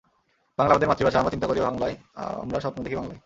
বাংলা আমাদের মাতৃভাষা, আমরা চিন্তা করি বাংলায়, আমরা স্বপ্ন দেখি বাংলায়।